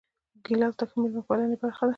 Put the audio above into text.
ګیلاس د ښه میلمه پالنې برخه ده.